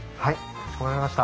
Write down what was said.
かしこまりました。